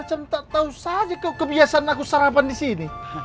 macam tak tau saja kebiasaan aku sarapan disini